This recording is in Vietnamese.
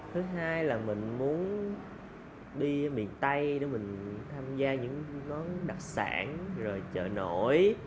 thứ hai là mình muốn đi miền tây để mình tham gia những món đặc sản rồi chợ nổi